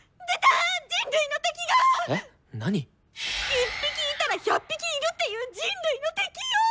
１匹いたら１００匹いるっていう人類の敵よ！